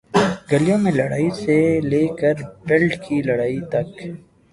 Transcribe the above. گلیوں میں لڑائی سے لے کر بیلٹ کی لڑائی تک،